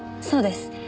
そうです。